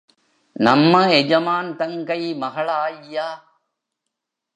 நம்ம எஜமான் தங்கை மகளாய்யா.